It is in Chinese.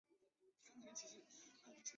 原姓为薮田改成薮田。